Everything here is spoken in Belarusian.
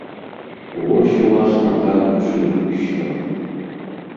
Вось, уласна кажучы, і ўсё.